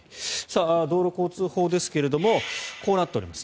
道路交通法ですがこうなっております。